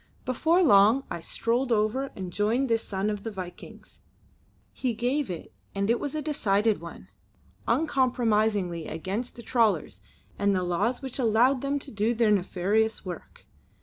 Before long I strolled over and joined this son of the Vikings. He gave it, and it was a decided one, uncompromisingly against the trawlers and the laws which allowed them to do their nefarious work.